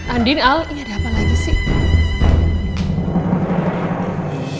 andin al ini ada apa lagi sih